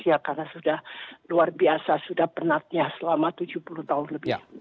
ya karena sudah luar biasa sudah penatnya selama tujuh puluh tahun lebih